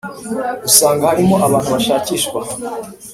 usanga harimo abantu bashakishwa